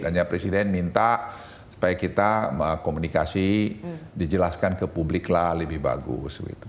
hanya presiden minta supaya kita komunikasi dijelaskan ke publik lah lebih bagus